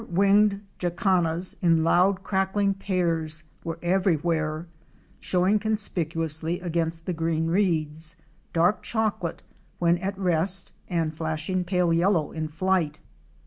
Spur winged Jacanas in loud cackling pairs were every where, showing conspicuously against the green reeds — dark chocolate when at rest and flashing pale yellow in flight.